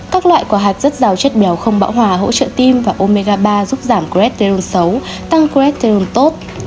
các loại quả hạch rất giàu chất béo không bão hòa hỗ trợ tim và omega ba giúp giảm cholesterol xấu tăng cholesterol tốt